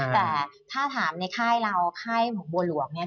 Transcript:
แต่ถ้าถามในค่ายเราค่ายของบัวหลวงเนี่ย